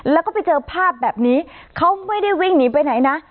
แล้วก็ไปเจอภาพแบบนี้เขาไม่ได้วิ่งหนีไปไหนนะ